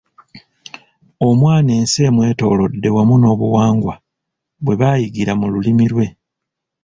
Omwana ensi emwetoolodde wamu n’obuwangwa bwe abiyigira mu lulimi lwe.